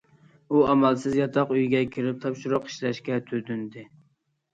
ئۇ ئامالسىز ياتاق ئۆيىگە كىرىپ تاپشۇرۇق ئىشلەشكە تۇتۇندى.